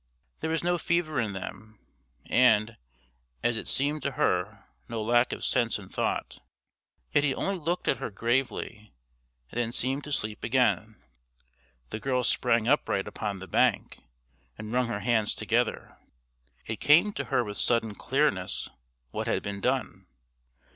There was no fever in them, and, as it seemed to her, no lack of sense and thought. Yet he only looked at her gravely, and then seemed to sleep again. The girl sprang upright upon the bank and wrung her hands together. It came to her with sudden clearness what had been done.